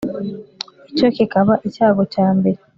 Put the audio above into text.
Icyo kiba icyago cya mbere